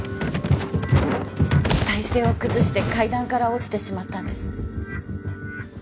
体勢を崩して階段から落ちてしまったんです。